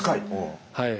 はい。